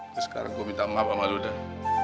sekarang gue minta maaf sama lu dan